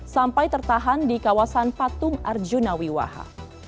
sampai tertahan di kawasan patung arjuna wiwaha